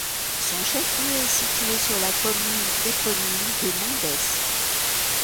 Son chef-lieu est situé sur la commune éponyme de Mendes.